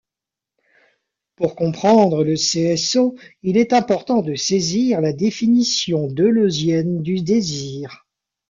Pour comprendre le CsO il est important de saisir la définition deleuzienne du désir.